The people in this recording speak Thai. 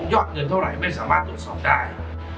อดเงินเท่าไหร่ไม่สามารถตรวจสอบได้